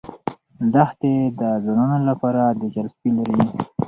دښتې د ځوانانو لپاره دلچسپي لري.